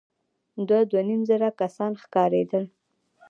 دوه ، دوه نيم زره کسان ښکارېدل.